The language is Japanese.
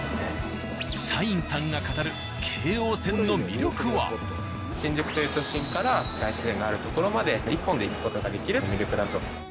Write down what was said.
社員さんが語る新宿という都心から大自然のある所まで１本で行く事ができる魅力だと。